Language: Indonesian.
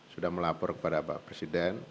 sudah melapor kepada pak presiden